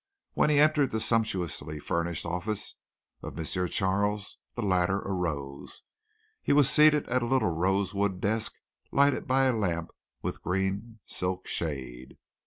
When he entered the sumptuously furnished office of M. Charles the latter arose. He was seated at a little rosewood desk lighted by a lamp with green silk shade.